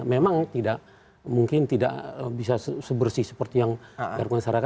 memang tidak mungkin tidak bisa sebersih seperti yang dilakukan